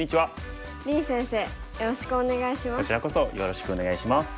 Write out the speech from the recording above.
林先生よろしくお願いします。